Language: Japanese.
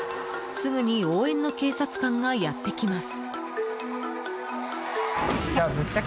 すぐに応援の警察官がやってきます。